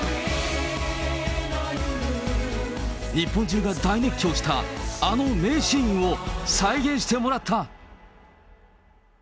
日本中が大熱狂した、あの名シーンを再現してもらった。